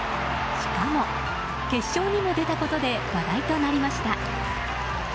しかも、決勝にも出たことで話題となりました。